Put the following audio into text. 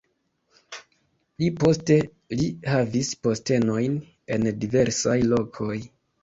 Pli poste li havis postenojn en diversaj lokoj.